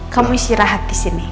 kamu istirahat disini